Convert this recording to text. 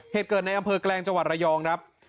เหตุเกิดในอำเภอกแกแรงจวัดระยอง